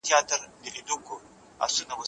د داستان په څېړنه کي باید وخت ضایع نسي.